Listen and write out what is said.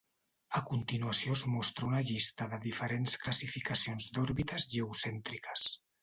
A continuació es mostra una llista de diferents classificacions d'òrbites geocèntriques.